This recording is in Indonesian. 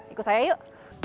ikut saya yuk